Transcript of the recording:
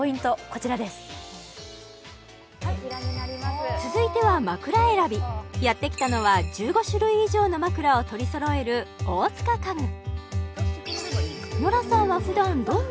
こちらですやって来たのは１５種類以上の枕を取りそろえる大塚家具